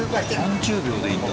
３０秒でいいんだ。